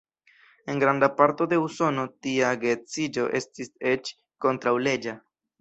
En granda parto de Usono tia geedziĝo estis eĉ kontraŭleĝa.